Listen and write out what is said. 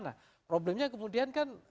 nah problemnya kemudian kan